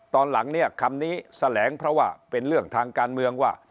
ตอนหลังเนี่ยคำนี้แสลงเพราะว่าเป็นเรื่องทางการเมืองว่า